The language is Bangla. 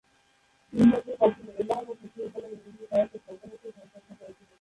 তিন বছর পরে, তিনি এলাহাবাদ বিশ্ববিদ্যালয়ের ইংরেজি সাহিত্যে স্নাতকোত্তর সম্পন্ন করেছিলেন।